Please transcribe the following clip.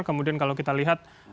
kemudian kalau kita lihat